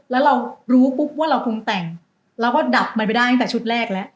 แล้วเรารู้ปุ๊บว่าเราคงแต่งเราก็ดับมันไปได้ตั้งแต่ชุดแรกแล้ว